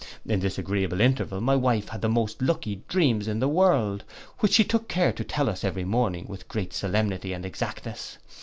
In this agreeable interval, my wife had the most lucky dreams in the world, which she took care to tell us every morning, with great solemnity and exactness.